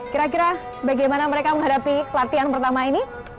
kira kira bagaimana mereka menghadapi pelatihan pascibidaka nasional